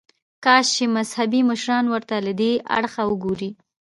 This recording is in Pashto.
کاش چې مذهبي مشران ورته له دې اړخه وګوري.